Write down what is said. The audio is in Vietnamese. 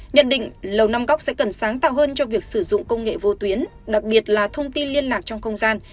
nhận định lầu năm góc sẽ cần sáng tạo hơn cho việc sử dụng công nghệ vô tuyến đặc biệt là thông tin liên lạc trong không gian